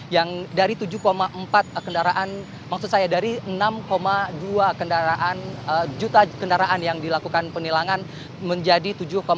yang dari tujuh empat kendaraan maksud saya dari enam dua kendaraan juta kendaraan yang dilakukan penilangan menjadi tujuh empat